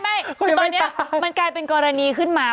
ไม่คือตอนนี้มันกลายเป็นกรณีขึ้นมา